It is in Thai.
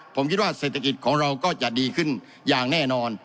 ผมคิดว่าเศรษฐกิจของเราก็จะดีขึ้นอย่างแน่นอน